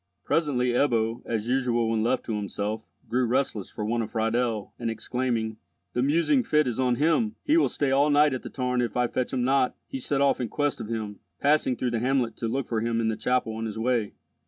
Presently Ebbo, as usual when left to himself, grew restless for want of Friedel, and exclaiming, "The musing fit is on him!—he will stay all night at the tarn if I fetch him not," he set off in quest of him, passing through the hamlet to look for him in the chapel on his way.